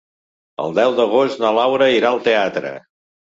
El deu d'agost na Laura irà al teatre.